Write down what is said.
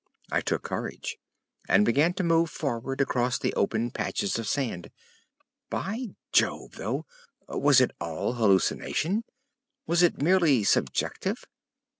I took courage, and began to move forward across the open patches of sand. By Jove, though, was it all hallucination? Was it merely subjective?